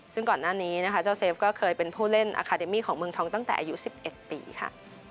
ซึ่งก่อนหน้านี้นะคะเจ้าเซฟก็เคยเป็นผู้เล่นอาคาเดมี่ของเมืองทองตั้งแต่อายุ๑๑ปีค่ะ